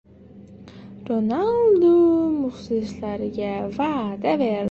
Ronaldu muxlislarga va’da berdi